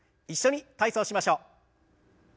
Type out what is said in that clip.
一緒に体操しましょう。